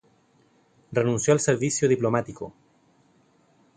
Renunció al servicio diplomático.